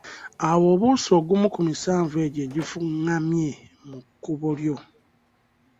Awo obuuse ogumu ku misanvu egyo egifungamye mu kkubo lyo.